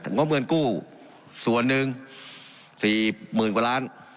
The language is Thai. งบเงินกู้ส่วนหนึ่ง๔๐๐๐กว่าล้าน